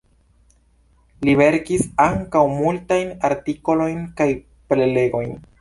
Li verkis ankaŭ multajn artikolojn kaj prelegojn.